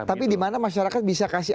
tapi dimana masyarakat bisa kasih